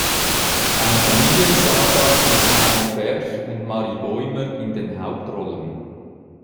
Eine Familiensaga" mit Heino Ferch und Marie Bäumer in den Hauptrollen.